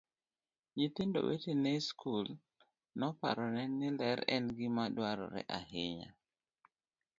Nyithindo wetene e skul noparone ni ler en gima dwarore ahinya.